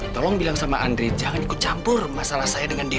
tolong bilang sama andri jangan ikut campur masalah saya dengan dia